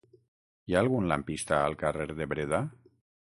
Hi ha algun lampista al carrer de Breda?